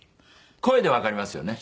声でわかりますよね。